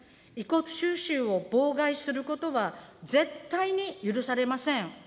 遺骨収集を妨害することは、絶対に許されません。